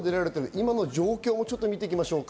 今の状況を見ていきましょうか。